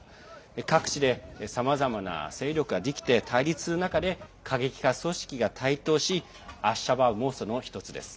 各地で、さまざまな勢力ができて対立する中で過激派組織が台頭しアッシャバーブも、その１つです。